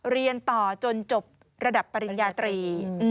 เรียนต่อจนจบระดับปริญญาตรี